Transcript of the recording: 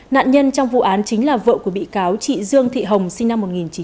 nạn nhân trong vụ án chính là vợ của bị cáo chị dương thị hồng sinh năm một nghìn chín trăm tám mươi